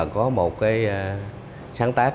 có một sáng tác